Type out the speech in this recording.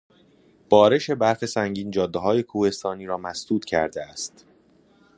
بارش برف سنگین جادههای کوهستانی را مسدود کرده است.